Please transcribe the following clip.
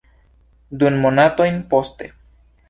Du monatojn poste.